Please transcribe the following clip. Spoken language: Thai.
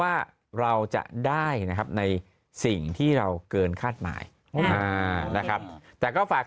ว่าเราจะได้นะครับในสิ่งที่เราเกินคาดหมายนะครับแต่ก็ฝาก